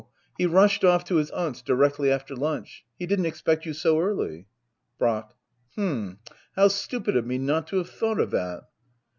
He rushed off to his aunt's directly after lunch ; he didn't expect you so early. Brack. H'm — how stupid of me not to have thought of that!